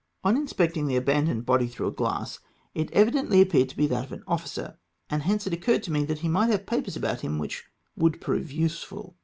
On inspecting the abandoned body through a glass, it evidently appeared to be that of an officer, and hence it occurred to me that he might have papers about him which would prove useful.